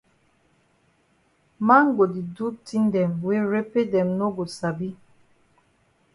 Man go di do tin dem wey repe dem no go sabi.